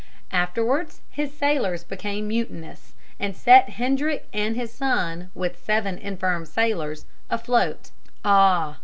Afterwards his sailors became mutinous, and set Hendrik and his son, with seven infirm sailors, afloat. Ah!